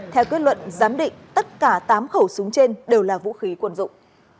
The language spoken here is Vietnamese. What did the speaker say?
theo kết luận giám định tất cả tám khẩu súng trên đều là vũ khí quân dụng